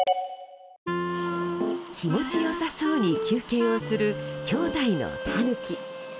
気持ち良さそうに休憩をする兄弟のタヌキ。